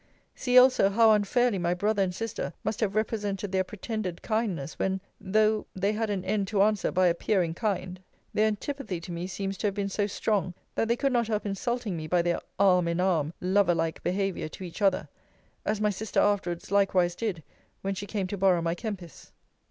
See, also, how unfairly my brother and sister must have represented their pretended kindness, when (though the had an end to answer by appearing kind) their antipathy to me seems to have been so strong, that they could not help insulting me by their arm in arm lover like behaviour to each other; as my sister afterwards likewise did, when she came to borrow my Kempis.